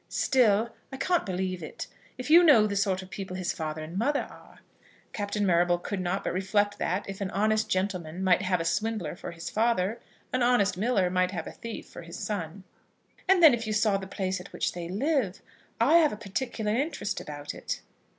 "Still I can't believe it. If you knew the sort of people his father and mother are." Captain Marrable could not but reflect that, if an honest gentleman might have a swindler for his father, an honest miller might have a thief for his son. "And then if you saw the place at which they live! I have a particular interest about it."